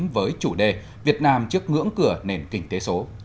với chủ đề việt nam trước ngưỡng cửa nền kinh tế số